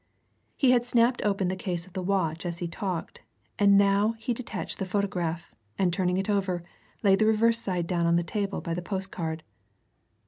He had snapped open the case of the watch as he talked, and he now detached the photograph and turning it over, laid the reverse side down on the table by the postcard.